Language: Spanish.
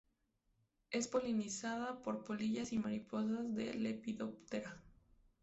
Es polinizada por polillas y mariposas de Lepidoptera.